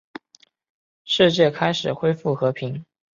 世界开始恢复和平。